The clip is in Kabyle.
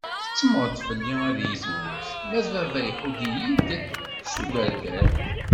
Tettemmeɣ-d fell-i ad iyi-tewwet, ma d baba iḥudd-iyi-d s ugerger.